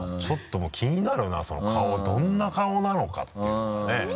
ちょっともう気になるなその顔どんな顔なのかっていうのがね。